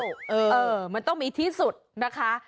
เออมันต้องมีที่สุดนะคะ